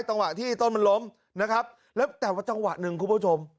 จังหวะที่ต้นมันล้มนะครับแล้วแต่ว่าจังหวะหนึ่งคุณผู้ชม